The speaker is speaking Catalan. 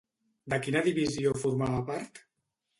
De quina divisió formava part?